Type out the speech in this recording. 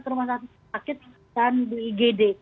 ke rumah sakit dan di igd